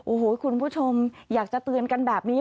โอ้โหคุณผู้ชมอยากจะเตือนกันแบบนี้